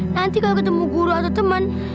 nanti kalau ketemu guru atau teman